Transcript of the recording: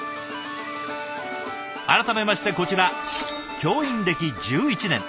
改めましてこちら教員歴１１年